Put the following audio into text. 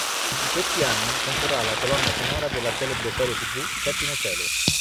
In questi anni comporrà la colonna sonora della celebre serie tv "Settimo cielo".